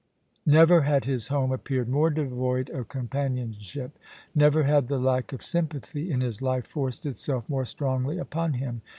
Never had his home appeared more devoid of companion ship : never had the lack of sympathy in his life forced itself more strongly upon him.